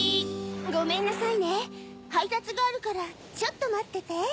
ごめんなさいねはいたつがあるからちょっとまってて。